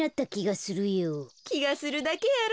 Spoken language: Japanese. きがするだけやろ。